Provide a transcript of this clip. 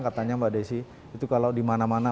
katanya mbak desi itu kalau di mana mana